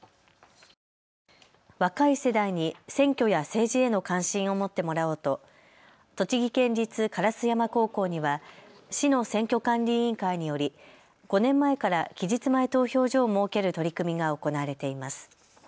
若い世代に選挙や政治への関心を持ってもらおうと栃木県立烏山高校には市の選挙管理委員会により５年前から期日前投票所を設ける取り組みが行われています。